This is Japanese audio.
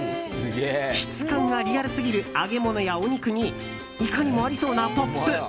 質感がリアルすぎる揚げ物やお肉にいかにもありそうなポップ。